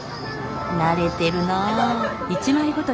慣れてるなぁ。